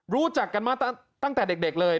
รู้จักกันมาตั้งแต่เด็กเลย